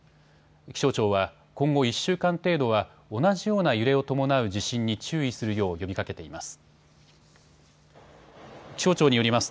気象庁は今後１週間程度は同じような揺れを伴う地震に注意するよう呼びかけています。